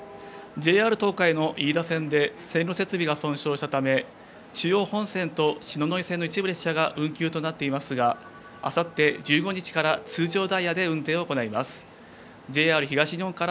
ＪＲ東海の飯田線で、線路設備が損傷したため、中央本線と篠ノ井線の一部列車が運休となっていますが、あさって１５日から通常ダイヤで運転を行います。